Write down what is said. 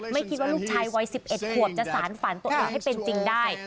ไม่คิดว่าลูกชายวัย๑๑ขวบจะสารฝันตัวเองให้เป็นจริงได้